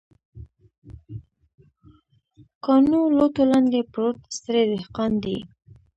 کاڼو، لوټو لاندې پروت ستړی دهقان دی